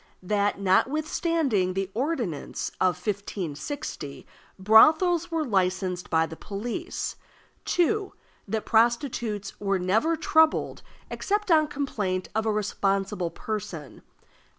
That, notwithstanding the ordinance of 1560, brothels were licensed by the police. (2.) That prostitutes were never troubled except on complaint of a responsible person.